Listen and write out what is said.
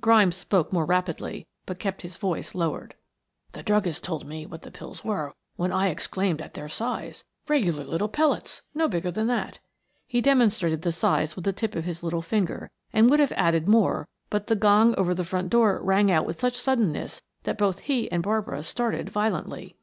Grimes spoke more rapidly, but kept his voice lowered. "The druggist told me what the pills were when I exclaimed at their size regular little pellets, no bigger than that," he demonstrated the size with the tip of his little finger, and would have added more but the gong over the front door rang out with such suddenness that both he and Barbara started violently.